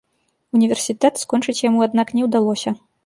Універсітэт скончыць яму, аднак, не ўдалося.